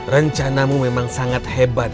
rencanamu memang sangat hebat